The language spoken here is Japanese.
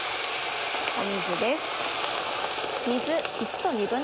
水です。